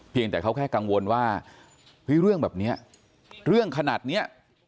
เพียงแต่เขาแค่กังวลว่าเรื่องแบบนี้เรื่องขนาดนี้